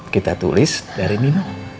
kita tulis dari mino